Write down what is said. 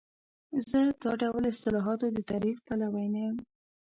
زه د دا ډول اصطلاحاتو د تعریف پلوی نه یم.